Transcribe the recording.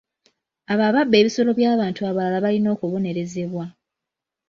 Abo ababba ebisolo by'abantu abalala balina okubonerezebwa.